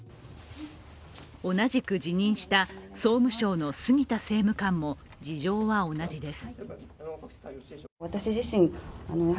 同じく辞任した総務省の杉田政務官も事情は同じです。